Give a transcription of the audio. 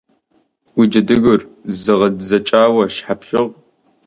Уи джэдыгур зэгъэдзэкӏауэ щхьэ пщыгъ?